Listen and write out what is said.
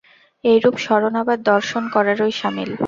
এইরূপ স্মরণ আবার দর্শন করারই সামিল।